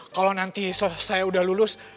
kalau nanti saya udah lulus